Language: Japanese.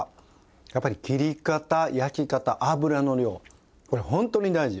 やっぱり切り方焼き方油の量これホントに大事！